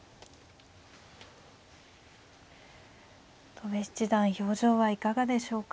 戸辺七段表情はいかがでしょうか。